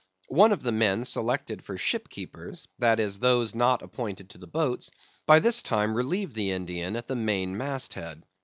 One of the men selected for shipkeepers—that is, those not appointed to the boats, by this time relieved the Indian at the main mast head.